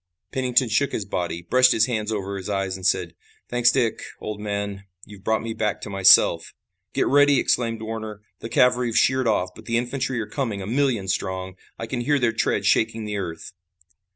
Pennington shook his body, brushed his hands over his eyes and said: "Thanks, Dick, old man; you've brought me back to myself." "Get ready!" exclaimed Warner. "The cavalry have sheered off, but the infantry are coming, a million strong! I can hear their tread shaking the earth!"